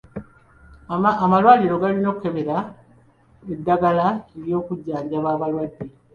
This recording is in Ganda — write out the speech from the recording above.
Amalwaliro galina okubeera n'eddagala ery'okujjanjaba abalwadde.